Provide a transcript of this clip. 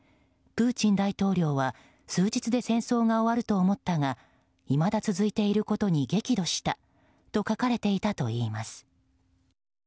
プーチン大統領は数日で戦争が終わると思ったがいまだ続いていることに激怒したと書かれていたといいます。